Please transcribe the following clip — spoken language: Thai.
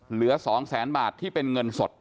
เหลือ๒แสนบาทที่เป็นเงินสด